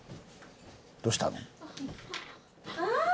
どうしたの？